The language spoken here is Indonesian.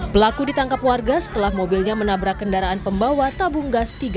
pelaku ditangkap warga setelah mobilnya menabrak kendaraan pembawa tabung gas tiga